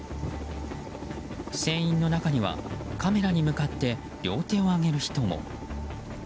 船員の中にはカメラに向かって両手を上げる人も。